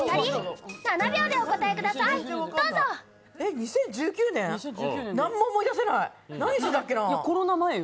２０１９年、何も思い出せないコロナ前よ。